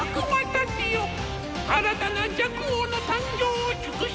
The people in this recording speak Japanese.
新たな若王の誕生を祝し